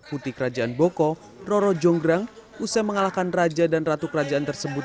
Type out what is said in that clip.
putih kerajaan boko roro jonggrang usai mengalahkan raja dan ratu kerajaan tersebut